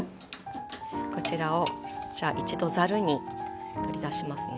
こちらをじゃあ一度ざるに取り出しますね。